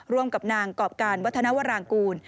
ร่วมกับนางกรอบการวัฒนวรางกูล